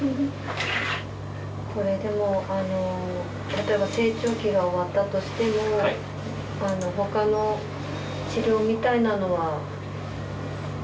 これでも例えば成長期が終わったとしても他の治療みたいなのはない？